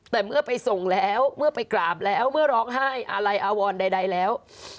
แต่เมื่อไปส่งแล้วเมื่อไปกราบแล้วเมื่อร้องไห้อะไรอาวรใดแล้ว